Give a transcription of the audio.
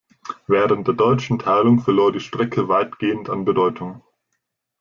Während der deutschen Teilung verlor die Strecke weitgehend an Bedeutung.